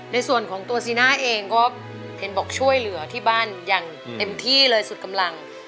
ในส่วนของตัวซีน่าเองก็เห็นบอกช่วยเหลือที่บ้านอย่างเต็มที่เลยสุดกำลัง